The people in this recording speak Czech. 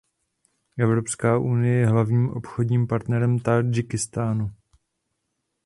Evropská unie je hlavním obchodním partnerem Tádžikistánu.